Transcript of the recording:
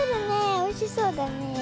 おいしそうだねえ。